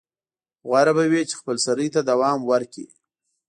غوره به وي چې خپلسرۍ ته دوام ورکړي.